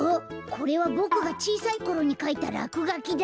これはボクがちいさいころにかいたらくがきだ。